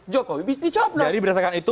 jokowi dicoblos jadi berdasarkan itu